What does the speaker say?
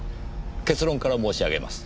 結論から申し上げます。